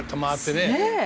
ねえ。